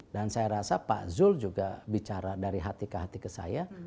dan saya rasa pak zul juga bicara dari hati ke hati ke saya